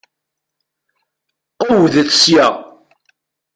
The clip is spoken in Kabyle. Qewwdet sya!